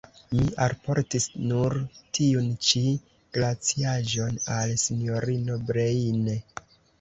Mi alportis nur tiun ĉi glaciaĵon al sinjorino Breine.